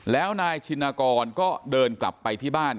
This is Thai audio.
แล้วนายชินกรก็เดินกลับไปที่บ้าน